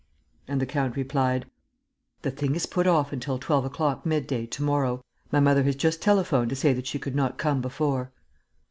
And the count replied: "The thing is put off until twelve o'clock midday, to morrow. My mother has just telephoned to say that she could not come before."